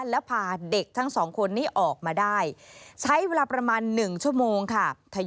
แล้วพาเด็กทั้งสองคนนี้ออกมาได้ใช้เวลาประมาณ๑ชั่วโมงค่ะ